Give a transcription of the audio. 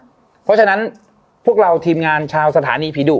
เพราะฉะนั้นพวกเราทีมงานชาวสถานีผีดุ